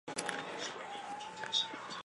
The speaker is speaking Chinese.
佛理碘泡虫为碘泡科碘泡虫属的动物。